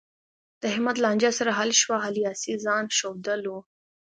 د احمد لانجه سره حل شوه، علي هسې ځآن ښودلو.